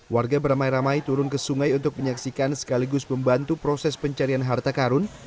warga beramai ramai turun ke sungai untuk menyaksikan sekaligus membantu proses pencarian harta karun